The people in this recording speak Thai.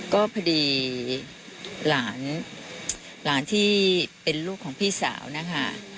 ก็พอดีหลานที่เป็นลูกของพี่สาวนะคะ